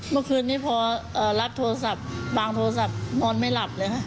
เมื่อคืนนี้พอรับโทรศัพท์บางโทรศัพท์นอนไม่หลับเลยค่ะ